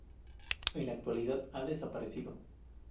En la actualidad ha desaparecido.